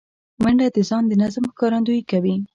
منډه د ځان د نظم ښکارندویي کوي